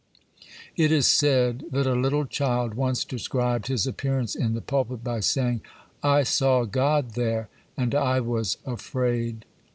It is said that a little child once described his appearance in the pulpit by saying, 'I saw God there, and I was afraid.